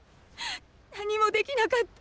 何もできなかった。